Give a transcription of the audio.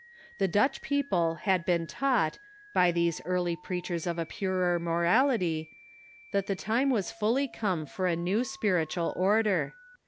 The Dutch peoi)le had been taught, by these early preachers of a pui er morality, that the time was fully come for a new spiritual order.